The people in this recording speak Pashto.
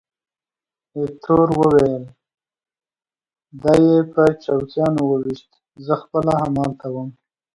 ایټور وویل: دی یې په چوکیانو وویشت، زه خپله همالته وم.